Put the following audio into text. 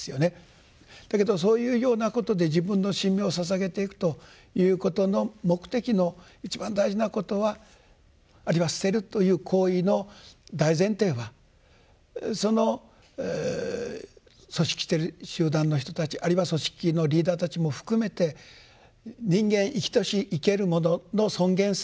だけどそういうようなことで自分の身命をささげていくということの目的の一番大事なことはあるいは捨てるという行為の大前提はその組織的集団の人たちあるいは組織のリーダーたちも含めて人間生きとし生けるものの尊厳性絶対平等である。